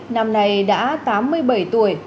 năm nay đã tám mươi bảy tuổi